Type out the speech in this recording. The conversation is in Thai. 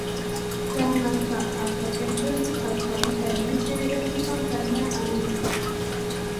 ดาราศาสตร์อาจจะเป็นเรื่องที่ซับซ้อนแต่ไม่ใช่เรื่องที่เข้าใจยากอะไร